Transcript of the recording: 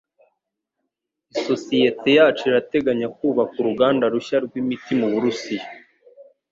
Isosiyete yacu irateganya kubaka uruganda rushya rw’imiti mu Burusiya